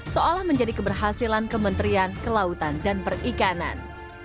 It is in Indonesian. seolah menjadi keberhasilan kementerian kelautan dan perikanan